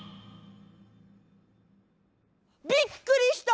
びっくりした！